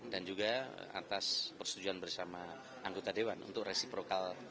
dan juga atas persetujuan bersama anggota dewan untuk resiprokal